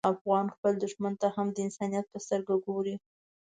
افغان خپل دښمن ته هم د انسانیت په سترګه ګوري.